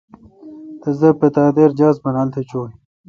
تس دا پتا دے جہاز بانال تھ چویں ۔